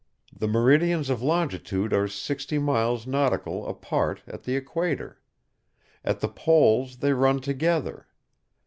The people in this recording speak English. The meridians of longitude are 60 miles (nautical) apart at the equator. At the poles they run together.